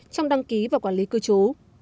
trong đăng ký và quản lý cư trú